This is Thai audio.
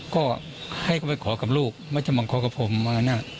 ก็ให้เขาไปขอกับลูกไม่ใช่มาขอกับผมมานะ